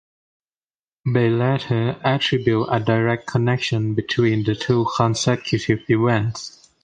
Bey later attributed a direct connection between the two consecutive events.